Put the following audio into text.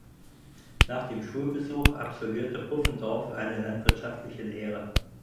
Nach dem Schulbesuch absolvierte Pufendorf eine landwirtschaftliche Lehre.